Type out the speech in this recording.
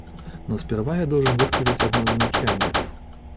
Но сперва я должен высказать одно замечание.